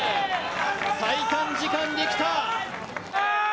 最短時間できた。